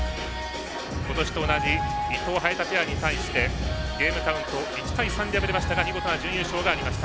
今年と同じ伊藤、早田ペアに対してゲームカウント１対３で敗れましたが見事な準優勝がありました。